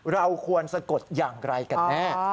เราควรสะกดอย่างไรกันแน่